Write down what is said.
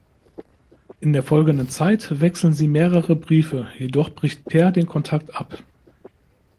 In der folgenden Zeit wechseln sie mehrere Briefe, jedoch bricht Peer den Kontakt ab.